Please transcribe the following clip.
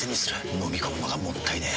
のみ込むのがもったいねえ。